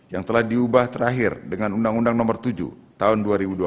yang telah diubah terakhir dengan undang undang nomor tujuh tahun dua ribu dua puluh